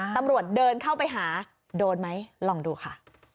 ตำรวจเดินเข้าไปหาโดนไหมลองดูค่ะ